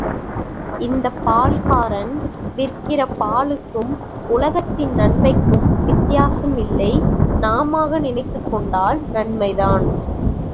இந்தப் பால்காரன் விற்கிற பாலுக்கும், உலகத்தின் நன்மைக்கும் வித்தியாசமில்லை நாமாக நினைத்துக் கொண்டால் நன்மைதான்.